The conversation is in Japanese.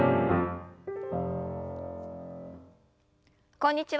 こんにちは